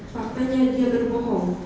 faktanya dia berbohong